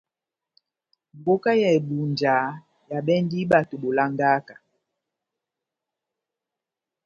Mbóka ya Ebunja ehabɛndi bato bolangaka.